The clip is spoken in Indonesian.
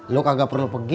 lo kagak perlu pergi